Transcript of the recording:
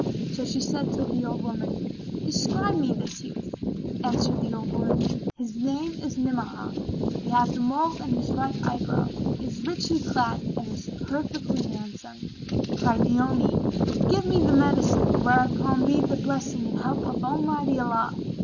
So she said to the old woman, "Describe to me this youth." Answered the old woman, "His name is Ni'amah, he hath a mole on his right eyebrow, is richly clad and is perfectly handsome." Cried Naomi, "Give me the medicine, whereon be the blessing and help of Almighty Allah!"